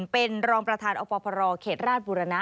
เป็นรองประธานอพรเขตราชบุรณะ